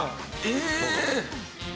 ええ！